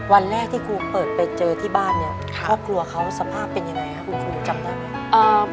วันแรกที่ครูเปิดไปเจอที่บ้านเนี่ยเขากลัวเขาสภาพเป็นยังไงครับ